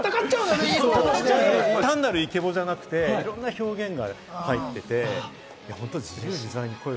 単なるイケボじゃなくて、いろんな表現が入っていて。